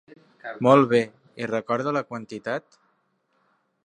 Molt bé, i recorda la quantitat?